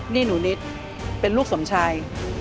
นี่หนูนิดเป็นลูกสมชาย